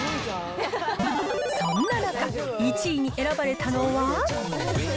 そんな中、１位に選ばれたのは？